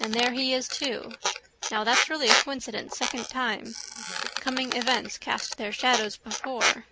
And there he is too. Now that's really a coincidence: second time. Coming events cast their shadows before.